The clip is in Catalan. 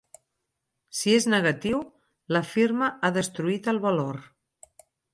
Si és negatiu, la firma ha destruït el valor.